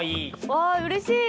わあうれしい！